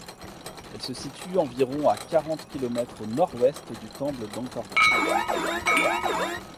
Elle se situe à environ quarante kilomètres au nord-ouest du temple d’Angkor Vat.